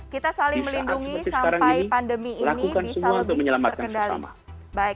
kita saling melindungi sampai pandemi ini bisa lebih terkendali